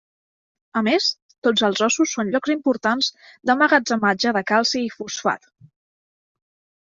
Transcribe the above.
A més, tots els ossos són llocs importants d'emmagatzematge de calci i fosfat.